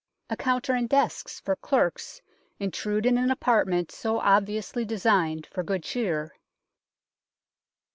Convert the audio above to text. A counter and desks for clerks intrude in an apartment so obviously designed for good cheer.